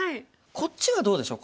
こっちはどうでしょう？